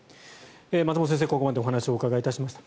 松本先生にここまでお話をお伺いしました。